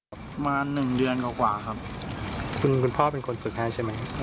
มาหนึ่งเดือนกว่ากว่าครับคุณคุณพ่อเป็นคนฝึกให้ใช่ไหม